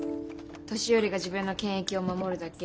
年寄りが自分の権益を守るだけ。